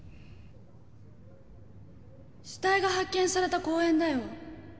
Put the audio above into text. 〔死体が発見された公園だよ〕